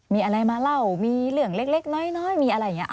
มีอะไรมาเล่ามีเรื่องเล็กน้อยมีอะไรอย่างนี้